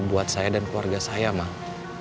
buat saya dan keluarga saya mah